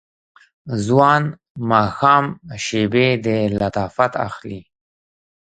ځوان ماښام شیبې د لطافت اخلي